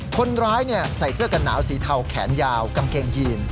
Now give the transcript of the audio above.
คนร้ายใส่เสื้อกันหนาวสีเทาแขนยาวกางเกงยีน